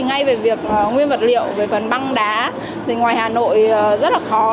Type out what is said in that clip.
ngay về việc nguyên vật liệu về phần băng đá thì ngoài hà nội rất là khó